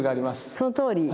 そのとおり。